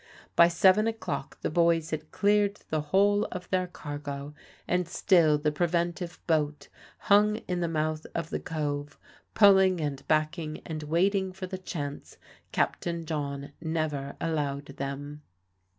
By seven o'clock the boys had cleared the whole of their cargo, and still the preventive boat hung in the mouth of the Cove, pulling and backing and waiting for the chance Captain John never allowed them.